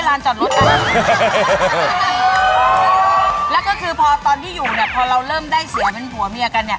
แล้วก็คือพอตอนที่อยู่เนี่ยพอเราเริ่มได้เสียเป็นผัวเมียกันเนี่ย